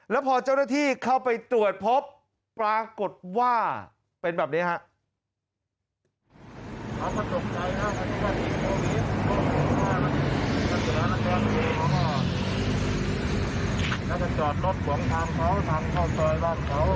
แล้วพอเจ้าหน้าที่เข้าไปตรวจพบปรากฏว่าเป็นแบบนี้ครับ